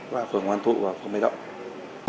và phường ngoan thụ và phường mây động